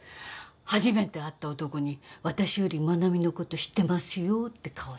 初めて会った男に私より真奈美のこと知ってますよって顔されて。